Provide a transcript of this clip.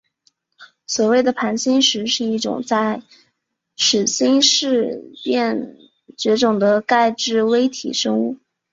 所谓的盘星石是一种在始新世便绝种的钙质微体生物。